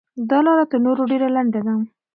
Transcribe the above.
دا لاره تر نورو ډېره لنډه ده.